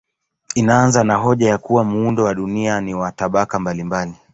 Inaanza na hoja ya kuwa muundo wa dunia ni wa tabaka mbalimbali.